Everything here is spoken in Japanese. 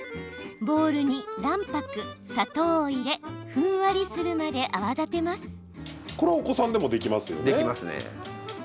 ボウルに卵白、砂糖を入れふんわりするまで泡立てます。